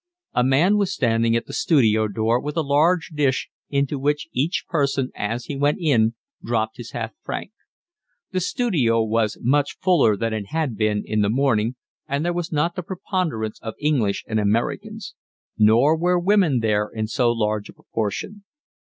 A man was standing at the studio door with a large dish into which each person as he went in dropped his half franc. The studio was much fuller than it had been in the morning, and there was not the preponderance of English and Americans; nor were women there in so large a proportion.